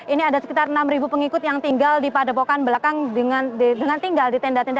ini ada sekitar enam pengikut yang tinggal di padepokan belakang dengan tinggal di tenda tenda